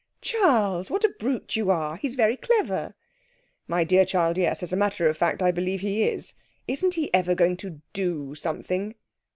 'Charles, what a brute you are! He's very clever.' 'My dear child, yes as a matter of fact, I believe he is. Isn't he ever going to do something?'